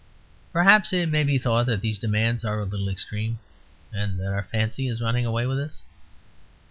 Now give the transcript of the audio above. Perhaps it may be thought that these demands are a little extreme; and that our fancy is running away with us.